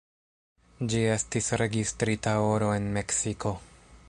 Ĝi estis registrita oro en Meksiko.